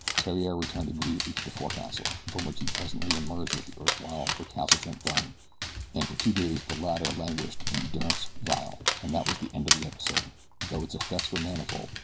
Theriere returned immediately to the forecastle, from which he presently emerged with the erstwhile recalcitrant Byrne, and for two days the latter languished in durance vile, and that was the end of the episode, though its effects were manifold.